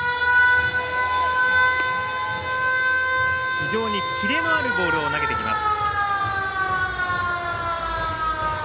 非常にキレのあるボールを投げてきます。